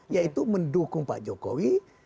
yaitu mendukung pak jokowi